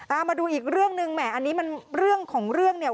เอามาดูอีกเรื่องหนึ่งแหมอันนี้มันเรื่องของเรื่องเนี่ย